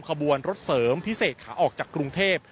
ขบวนรถเสริมพิเศษขาออกจากกรุงเทพ